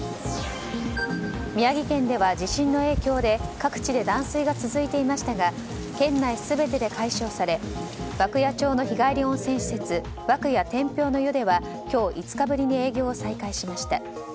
宮城県では地震の影響で各地で断水が続いていましたが県内全てで解消され涌谷町の日帰り温泉施設わくや天平の湯では今日５日ぶりに営業を再開しました。